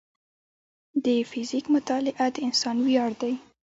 د فزیک مطالعه د انسان ویاړ دی.